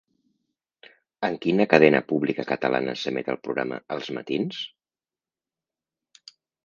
En quina cadena pública catalana s'emet el programa 'Els matins'?